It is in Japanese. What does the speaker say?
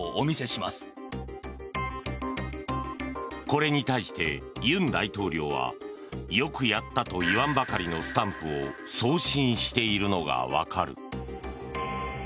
これに対して、尹大統領はよくやったと言わんばかりのスタンプを送信しているのが分かる。